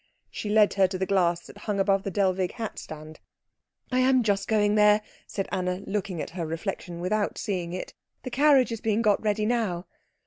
She led her to the glass that hung above the Dellwig hat stand. "I am just going there," said Anna, looking at her reflection without seeing it. "The carriage is being got ready now."